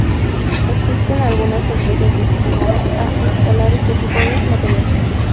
Existen algunas empresas destinadas a instalar este tipo de material.